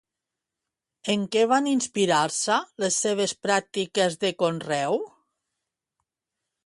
En què van inspirar-se les seves pràctiques de conreu?